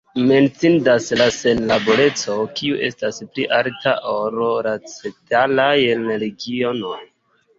Menciindas la senlaboreco, kiu estas pli alta, ol la ceteraj regionoj.